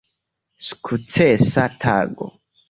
Sukcesa tago!